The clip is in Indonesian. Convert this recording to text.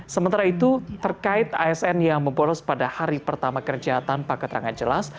sementara itu terkait asn yang membolos pada hari pertama kerja tanpa keterangan jelas